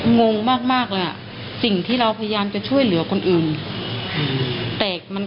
พี่จะเอาอะไรไปไปสู้พี่มีแค่มื้อเบาใช่